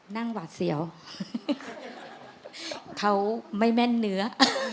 หวาดเสียวเขาไม่แม่นเนื้อ